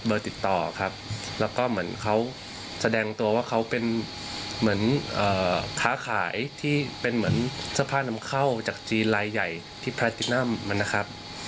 ติดต่อครับแล้วก็เหมือนเขาแสดงตัวว่าเขาเป็นเหมือนค้าขายที่เป็นเหมือนเสื้อผ้านำเข้าจากจีนลายใหญ่ที่แพทิตินัมมันนะครับ